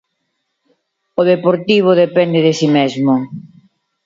O Deportivo depende de si mesmo.